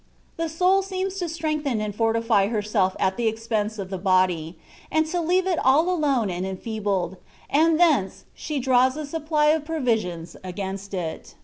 The soul seems to strengthen and fortify herself at the expense of the body, and to leave it all alone and enfeebled, and thence she draws a supply of provisions* against it.